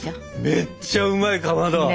めっちゃうまいかまど。